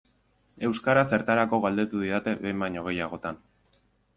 Euskara zertarako galdetu didate behin baino gehiagotan.